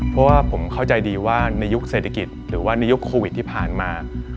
เพราะว่าผมเข้าใจดีว่าในยุคเศรษฐกิจหรือว่าในยุคโควิดที่ผ่านมา